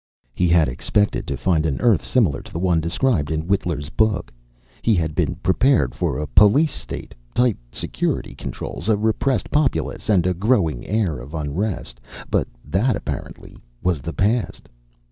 He had expected to find an Earth similar to the one described in Whittler's book. He had been prepared for a police state, tight security controls, a repressed populace, and a growing air of unrest. But that, apparently, was the past.